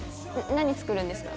何作るんですか？